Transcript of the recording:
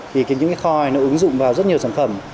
thì những cái kho này nó ứng dụng vào rất nhiều sản phẩm